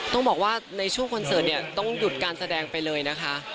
ต้องบอกว่าในช่วงคอนเสิร์ตเนี่ยต้องหยุดการแสดงไปเลยนะคะ